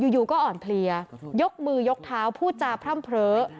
อยู่ก็อ่อนเพลียยกมือยกเท้าพูดจาพร่ำเผลอ